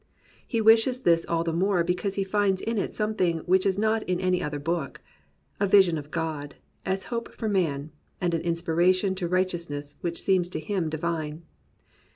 He wishes this all the more because he' finds in it something which is not in any other book: a vision of God, a hope for man, and an inspiration to righteousness which seem to him divine.